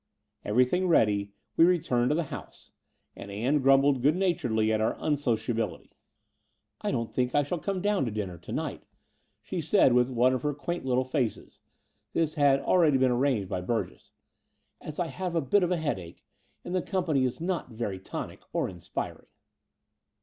Everything ready, we returned to the house; and Ann grumbled good naturedly at our imso ciability. "I don't think I shall come down to dinner to 284 The Door of the Unreal night/' she said, with one of her quaint little faces — this had already been arranged by Burgess — "as I have a bit of a headache, and the company is not very tonic or inspiring."